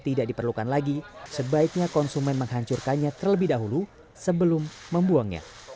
tidak diperlukan lagi sebaiknya konsumen menghancurkannya terlebih dahulu sebelum membuangnya